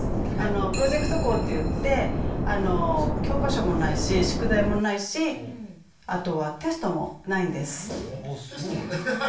プロジェクト校っていって、教科書もないし宿題もないし、あとはテストもないんです。